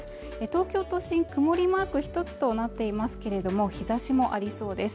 東京都心曇りマーク１つとなっていますけれども日ざしもありそうです